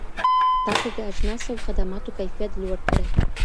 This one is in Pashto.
تاسي د اجناسو او خدماتو کيفيت لوړ کړئ.